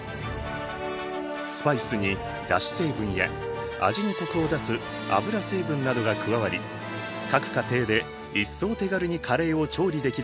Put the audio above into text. スパイスにだし成分や味にコクを出す油成分などが加わり各家庭で一層手軽にカレーを調理できるようになる。